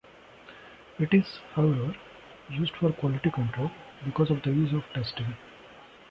It is, however, used for quality control, because of the ease of testing.